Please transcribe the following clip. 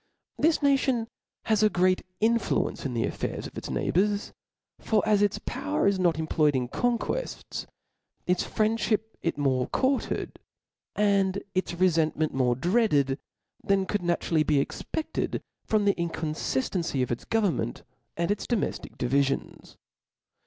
This nation has a great influence in the affairs of its neighbours ; for as its power is not employed in conquefts, its friendfliip is more courted, and its refentment more dreaded, than could naturally be expeded from the inconftancy of its govemmenr, and its domeftic divifions.